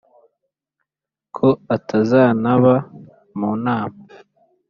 ko atazantaba mu nama